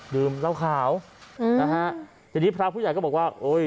ดื่มเหล้าขาวอืมนะฮะทีนี้พระผู้ใหญ่ก็บอกว่าโอ้ย